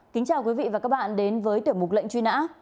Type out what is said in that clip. kính chào quý vị và các bạn đến với tiểu mục lệnh truy nã